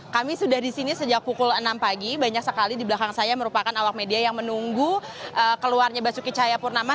kami sudah di sini sejak pukul enam pagi banyak sekali di belakang saya merupakan awak media yang menunggu keluarnya basuki cahayapurnama